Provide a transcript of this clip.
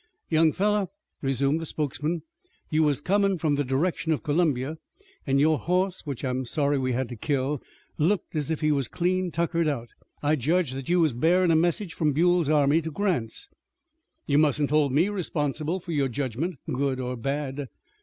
"Young fellow," resumed the spokesman, "you was comin' from the direction of Columbia, an' your hoss, which I am sorry we had to kill, looked as if he was cleaned tuckered out. I judge that you was bearin' a message from Buell's army to Grant's." "You mustn't hold me responsible for your judgment, good or bad."